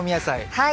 はい。